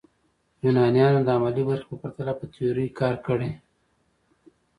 یونانیانو د عملي برخې په پرتله په تیوري کار کړی.